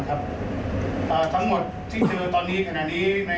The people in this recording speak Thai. ครับตั้งหมดที่เจอตอนนี้แหละนี้ใน